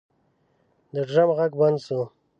د ډرم غږ بند شو.